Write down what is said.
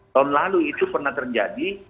tahun lalu itu pernah terjadi